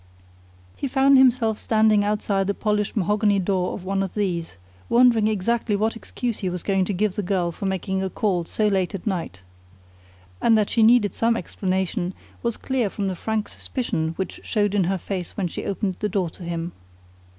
He found himself standing outside the polished mahogany door of one of these, wondering exactly what excuse he was going to give to the girl for making a call so late at night. And that she needed some explanation was clear from the frank suspicion which showed in her face when she opened the door to him.